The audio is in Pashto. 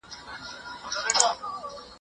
بل جهان بل به نظام وي چي پوهېږو